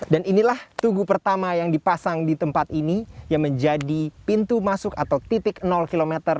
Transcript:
dan inilah tugu pertama yang dipasang di tempat ini yang menjadi pintu masuk atau titik km